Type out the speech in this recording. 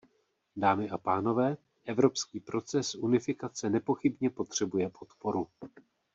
Dámy a pánové, evropský proces unifikace nepochybně potřebuje podporu.